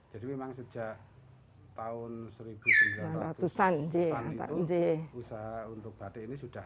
jadi memang sejak tahun seribu sembilan ratus an usaha untuk batik ini sudah